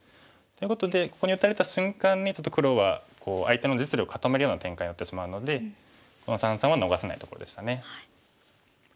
ということでここに打たれた瞬間にちょっと黒は相手の実利を固めるような展開になってしまうのでこの三々は逃せないところでしたね。